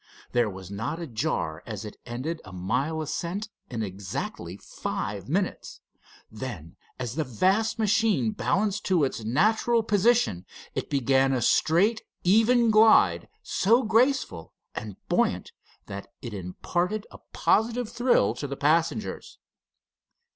There was not a jar as it ended a mile ascent in exactly five minutes. Then, as the vast machine balanced to its natural position, it began a straight, even glide so graceful and buoyant that it imparted a positive thrill to the passengers.